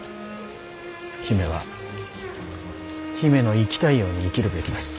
姫は姫の生きたいように生きるべきです。